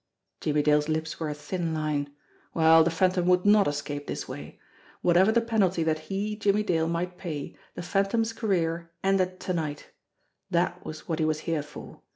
Jimmie Dale's lips were a thin line. Well, the Phantom would not escape this way ! Whatever the penalty that he, Jimmie Dale, might pay, the Phantom's career ended to night. That was what he was here for.